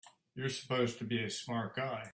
You're supposed to be a smart guy!